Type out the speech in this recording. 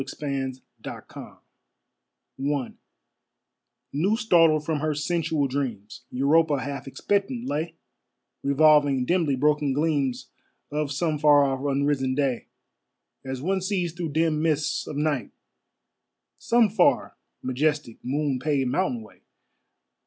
Sebastian Cabot I New startled from her sensual dreams, Europa half expectant lay, Revolving dimly broken gleams Of some far off unrisen day, As one sees through dim mists of night Some far, majestic, moon paved mountain way.